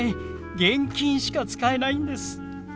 現金しか使えないんです。